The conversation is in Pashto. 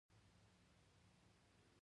بوټاني د نباتاتو پوهنه ده